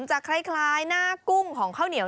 จะคล้ายหน้ากุ้งของข้าวเหนียว